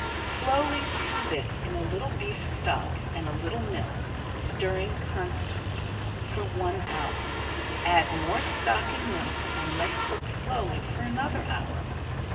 Slowly stew this in a little beef stock and a little milk, stirring constantly, for one hour. Add more stock and milk and let cook slowly for another hour.